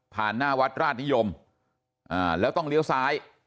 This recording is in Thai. หน้าวัดราชนิยมแล้วต้องเลี้ยวซ้าย